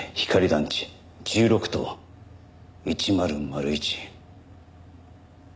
団地１６棟１００１。